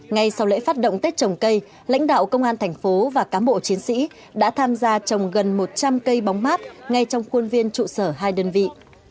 ngay sau lễ phát động tết trồng cây lãnh đạo công an thành phố và cám bộ chiến sĩ đã tham gia trồng gần một trăm linh cây bóng mát ngay trong khuôn viên trụ sở hai đơn vị